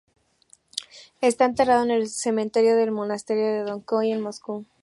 Está enterrado en el cementerio del monasterio de Donskói, en Moscú.